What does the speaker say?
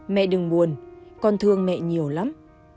mẹ đừng buồn con thương mẹ nhiều lắm